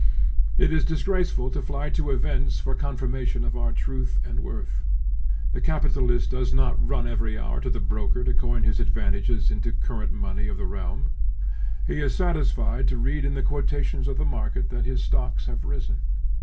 It is disgraceful to fly to events for confirmation of our truth and worth. The capitalist does not run every hour to the broker to coin his advantages into current money of the realm; he is satisfied to read in the quotations of the market that his stocks have risen.